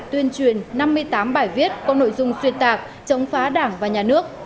tuyên truyền năm mươi tám bài viết có nội dung xuyên tạc chống phá đảng và nhà nước